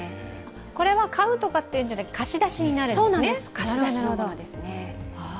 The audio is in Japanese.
これは買うとかっていうんじゃなくて、貸し出しっていうことですね。